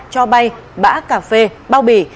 cho bay bã cà phê bao bì